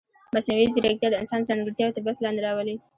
مصنوعي ځیرکتیا د انسان ځانګړتیاوې تر بحث لاندې راولي.